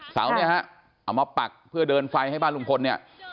เสาเนี่ยฮะเอามาปักเพื่อเดินไฟให้บ้านลุงพลเนี่ย